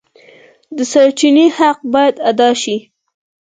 د سرچینې حق باید ادا شي.